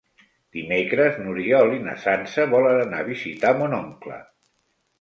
Dimecres n'Oriol i na Sança volen anar a visitar mon oncle.